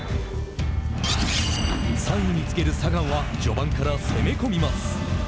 ３位につけるサガンは序盤から攻め込みます。